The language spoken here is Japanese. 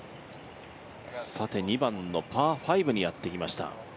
２番のパー５にやってきました。